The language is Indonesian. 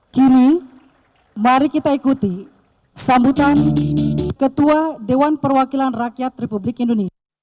kini mari kita ikuti sambutan ketua dewan perwakilan rakyat republik indonesia